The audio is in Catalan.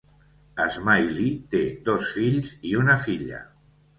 Smiley té dos fills i una filla.